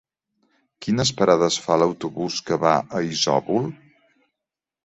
Quines parades fa l'autobús que va a Isòvol?